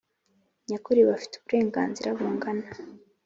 nyakuri Bafite uburenganzira bungana